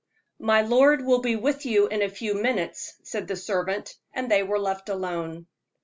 "My lord will be with you in a few minutes," said the servant, and they were left alone.